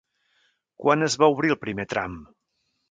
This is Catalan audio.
Quan es va obrir el primer tram?